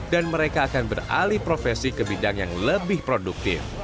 mereka akan beralih profesi ke bidang yang lebih produktif